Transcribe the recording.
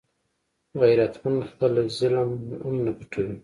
غیرتمند خپل ظلم هم نه پټوي